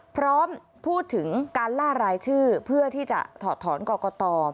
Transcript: พร้อมพูดถึงการล่ารายชื่อเพื่อที่จะถอดถอนกรกต